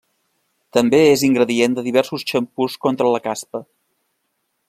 També és ingredient de diversos xampús contra la caspa.